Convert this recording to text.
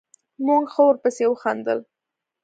موږ ښه ورپسې وخندل.